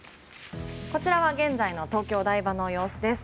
こちらは現在の東京・台場の様子です。